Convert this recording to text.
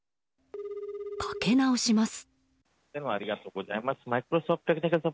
かけ直します。